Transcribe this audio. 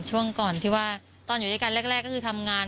ช่วงก่อนที่ว่าตอนอยู่ด้วยกันแรกก็คือทำงาน